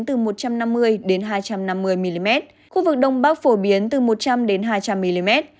từ một trăm năm mươi đến hai trăm năm mươi mm khu vực đông bắc phổ biến từ một trăm linh hai trăm linh mm